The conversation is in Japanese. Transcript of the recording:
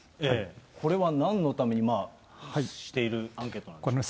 これはなんのためにしているアンケートなんでしょう。